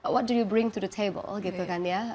what do you bring to the table gitu kan ya